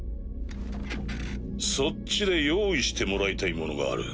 そっちで用意してもらいたいものがある。